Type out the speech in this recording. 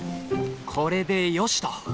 これでよしと。